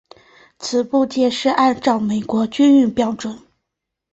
此部件是按照美国军用标准。